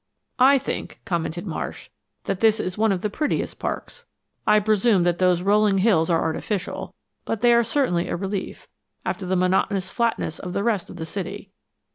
"I think," commented Marsh, "that this is one of the prettiest parks. I presume that those rolling hills are artificial, but they are certainly a relief, after the monotonous flatness of the rest of the city.